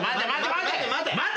待て！